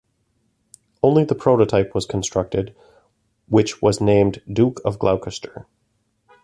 Only the prototype was constructed, which was named "Duke of Gloucester".